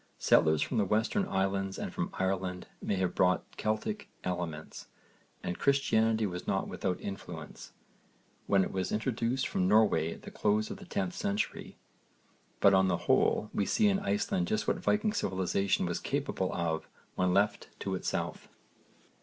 Settlers from the Western Islands and from Ireland may have brought Celtic elements, and Christianity was not without influence, when it was introduced from Norway at the close of the 10th century, but on the whole we see in Iceland just what Viking civilisation was capable of when left to itself.